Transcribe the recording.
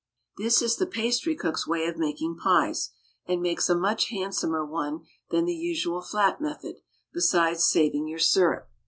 This is the pastry cook's way of making pies, and makes a much handsomer one than the usual flat method, besides saving your syrup.